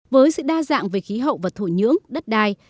với sự đa dạng về khí hậu và thổ nhưỡng đất đai